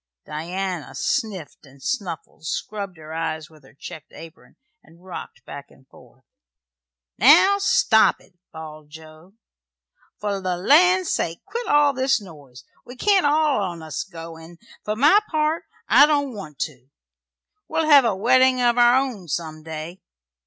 Diana sniffed and snuffled, scrubbed her eyes with her checked apron, and rocked back and forth. "Now, stop it!" bawled Joe. "For the land's sake, quit all this noise. We can't all on us go; 'n' for my part, I don't want to. We'll hev a weddin' of our own some day!"